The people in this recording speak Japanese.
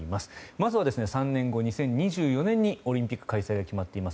まずは３年後２０２４年にオリンピック開催が決まっています